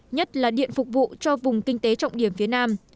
nhất là điện phục vụ cho vùng kinh tế trọng điểm phía nam